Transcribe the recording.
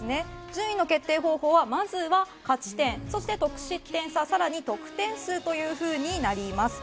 順位の決定方法は、まずは勝ち点そして得失点差さらに得点数というふうになります。